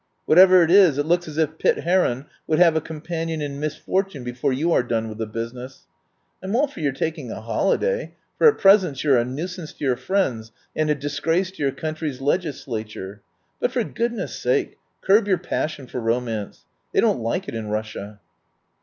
Whatever it is it looks as if Pitt Heron would have a companion in misfortune before you are done with the business. I'm all for your taking a holiday, for at present you are a nuisance to your friends and a disgrace to your country's legis lature. But for goodness' sake curb your pas sion for romance. They don't like it in Russia."